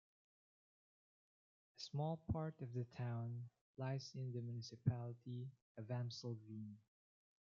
A small part of the town lies in the municipality of Amstelveen.